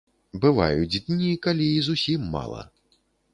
Бываюць дні, калі і зусім мала.